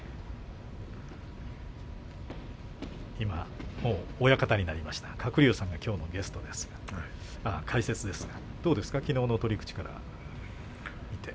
今もう親方になりました鶴竜さんがきょうの解説ですがどうですか、きのうの取り口は見て。